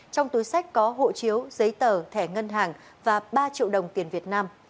trong túi sách có hộ chiếu giấy tờ thẻ ngân hàng và ba triệu đồng tiền việt nam